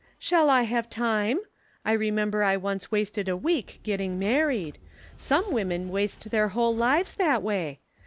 "Shall I have time? I remember I once wasted a week getting married. Some women waste their whole lives that way.